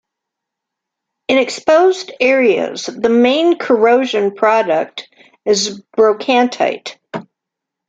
In exposed areas, the main corrosion product is brochantite.